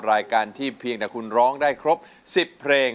รายการที่เพียงแต่คุณร้องได้ครบ๑๐เพลง